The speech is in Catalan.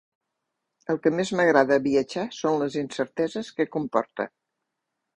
El que més m'agrada de viatjar són les incerteses que comporta.